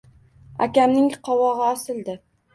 Akamning qovog‘i osildi.